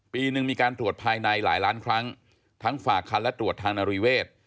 ปีหนึ่งมีการตรวจภายในหลายล้านครั้งทั้งฝากคันและตรวจทางนาริเวศ